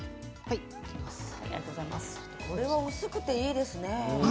これは薄くていいですね。